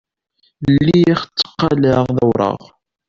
Lliɣ tteqqaleɣ d awraɣ.